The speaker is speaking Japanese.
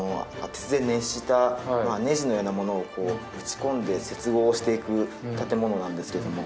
熱したネジのようなものを打ち込んで接合していく建物なんですけども。